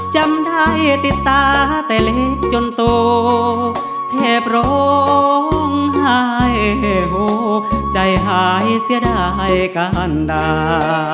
จำได้ติดตาแต่เล็กจนโตแทบร้องไห้โฮใจหายเสียดายการด่า